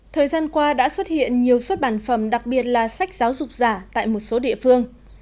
thời gian qua đã xuất hiện nhiều xuất bản phẩm đặc biệt là sách giáo dục giả tại một số địa phương